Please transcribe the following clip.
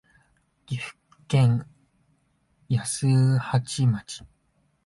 岐阜県安八町